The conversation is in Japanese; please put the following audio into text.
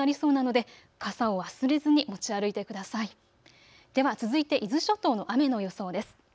では続いて伊豆諸島の雨の予想です。